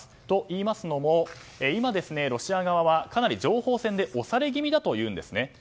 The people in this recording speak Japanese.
といいますのも今、ロシア側はかなり情報戦で押され気味だというんです。